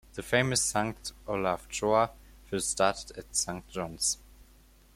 The famous Saint Olaf Choir first started at Saint John's.